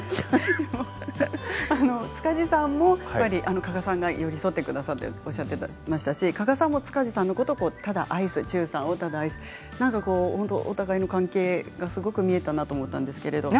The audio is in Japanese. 塚地さんも加賀さんが寄り添ってくださったとおっしゃってましたし加賀さんも塚地さんのことを愛する忠さんとお互いの関係がすごく見えたなと思ったんですけれど。